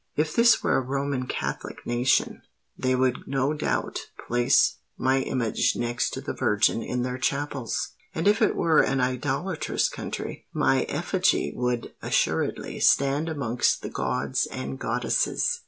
If this were a Roman Catholic nation, they would no doubt place my image next to the Virgin in their chapels; and if it were an idolatrous country, my effigy would assuredly stand amongst the gods and goddesses.